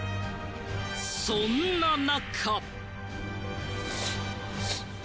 そんな中。